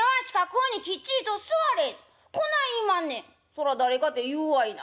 「そら誰かて言うわいな」。